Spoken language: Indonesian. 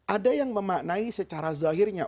ada yang memaknai secara zahirnya